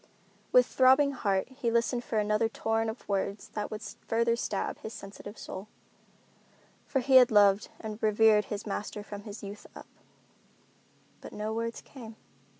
With throbbing heart he listened for another torrent of words that would still further stab his sensitive soul; for he had loved and revered his master from his youth up. But no words came.